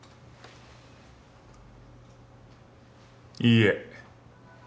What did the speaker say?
いいえ。